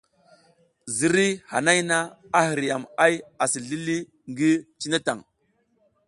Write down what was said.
Ziriy hanay na, a hiriyam ay asi zlili ngi cine tan.